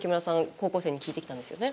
高校生に聞いてきたんですよね。